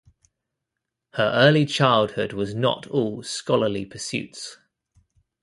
Her early childhood was not all scholarly pursuits.